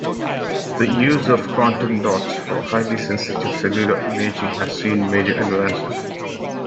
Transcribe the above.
The use of quantum dots for highly sensitive cellular imaging has seen major advances.